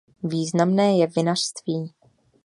Významné je vinařství.